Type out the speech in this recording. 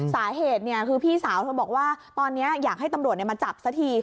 สาเหตุคือพี่สาวเธอบอกว่าตอนนี้อยากให้ตำรวจมาจับสักที